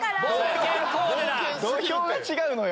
土俵が違うのよ！